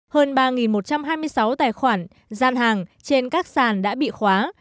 hơn ba một trăm hai mươi sáu tài khoản gian hàng trên các sàn đã bị khóa